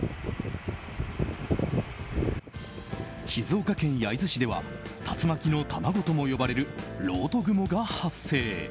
静岡県焼津市では竜巻の卵とも呼ばれるろうと雲が発生。